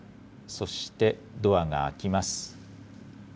そしてドアが開きます。